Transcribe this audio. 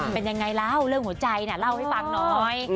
เป็นยังไงแล้วเรื่องหัวใจเนี่ยเล่าให้ปั๊กน้อย